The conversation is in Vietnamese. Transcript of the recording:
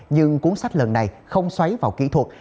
nhưng cuốn sách lần này không xoáy vào kỹ thuật